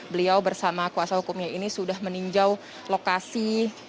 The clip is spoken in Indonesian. beliau bersama kuasa hukumnya ini sudah meninjau lokasi